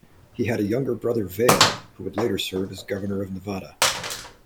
He had a younger brother Vail, who would later serve as Governor of Nevada.